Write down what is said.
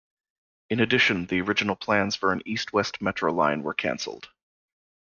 In addition, the original plans for an east-west metro line were cancelled.